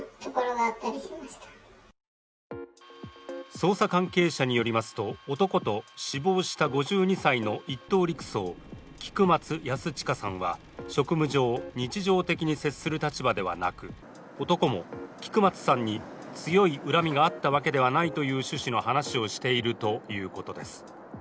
捜査関係者によりますと、男と、死亡した５２歳の１等陸曹・菊松安親さんは職務上、日常的に接する立場ではなく男も菊松さんに強い恨みがあったわけではないという趣旨の話をしているということです。